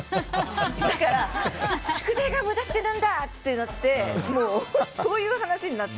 だから宿題が無駄ってなんだってなってそういう話になって。